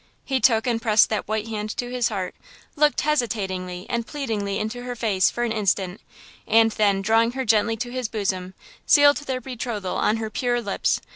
He took and pressed that white hand to his heart, looked hesitatingly and pleadingly in her face for an instant, and then, drawing her gently to his bosom, sealed their betrothal on her pure lips.